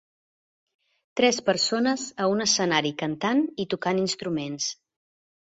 Tres persones a un escenari cantant i tocant instruments.